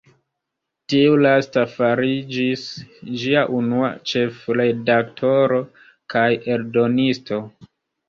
Tiu lasta fariĝis ĝia unua ĉefredaktoro kaj eldonisto.